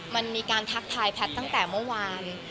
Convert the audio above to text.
มันมีการทักทายแพทย์ตั้งแต่เมื่อวาน